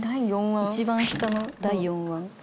一番下の第４腕。